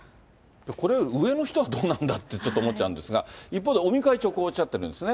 これより上の人はどうなんだってちょっと思っちゃうんですが、一方で尾身会長、こうおっしゃってるんですね。